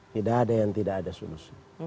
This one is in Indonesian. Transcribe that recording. tidak ada yang tidak ada solusi